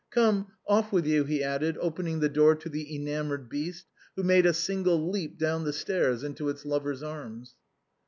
Come, off with you," he added, opening the door to the enamored beast, who made a single leap down the stairs into its lover's arms.